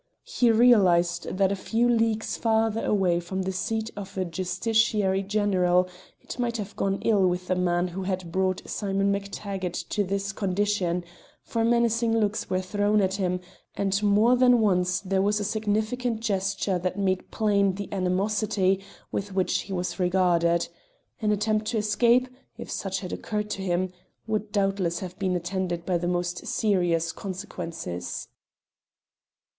He realised that a few leagues farther away from the seat of a Justiciary General it might have gone ill with the man who had brought Simon MacTaggart to this condition, for menacing looks were thrown at him, and more than once there was a significant gesture that made plain the animosity with which he was regarded. An attempt to escape if such had occurred to him would doubtless have been attended by the most serious consequences.